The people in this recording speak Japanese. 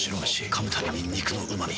噛むたびに肉のうま味。